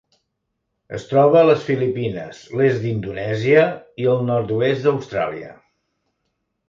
Es troba a les Filipines, l'est d'Indonèsia i el nord-oest d'Austràlia.